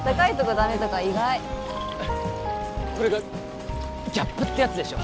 ダメとか意外これがギャップってやつでしょ